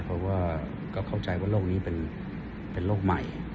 เพราะว่าก็เข้าใจว่าโรคนี้เป็นโรคใหม่